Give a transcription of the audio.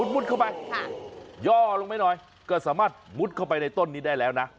เข้าไปย่อลงไปหน่อยก็สามารถมุดเข้าไปในต้นนี้ได้แล้วนะ